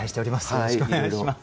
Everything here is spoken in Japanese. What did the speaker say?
よろしくお願いします。